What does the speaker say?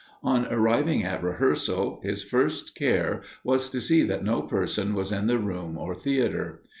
On arriving at rehearsal, his first care was to see that no person was in the room or theatre.